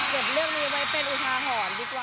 เก็บเรื่องนี้ไปเป็นอุทาธรณ์ดีกว่า